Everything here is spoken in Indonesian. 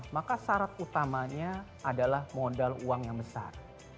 maka syarat utamanya adalah modal uang yang besar